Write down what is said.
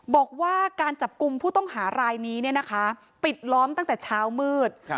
บอกว่าการจับกลุ่มผู้ต้องหารายนี้ปิดล้อมตั้งแต่เช้ามืด